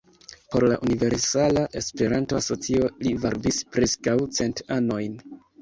Por la Universala Esperanto-Asocio li varbis preskaŭ cent anojn.